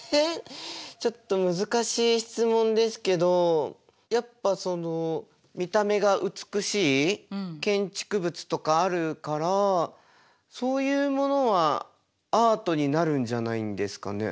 ちょっと難しい質問ですけどやっぱその見た目が美しい建築物とかあるからそういうものはアートになるんじゃないんですかね。